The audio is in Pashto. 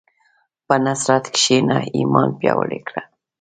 په نصرت کښېنه، ایمان پیاوړی کړه.